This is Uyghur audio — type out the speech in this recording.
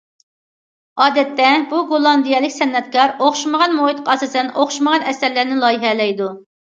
ئادەتتە، بۇ گوللاندىيەلىك سەنئەتكار ئوخشىمىغان مۇھىتقا ئاساسەن ئوخشىمىغان ئەسەرلەرنى لايىھەلەيدۇ.